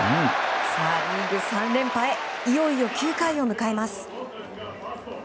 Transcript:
さあ、リーグ３連覇へいよいよ９回を迎えます。